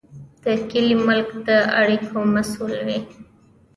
د کلي ملک د اړیکو مسوول وي.